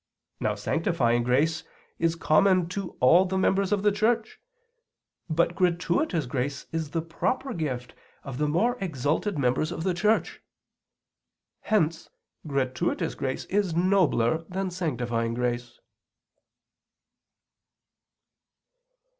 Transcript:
Now sanctifying grace is common to all members of the Church, but gratuitous grace is the proper gift of the more exalted members of the Church. Hence gratuitous grace is nobler than sanctifying grace.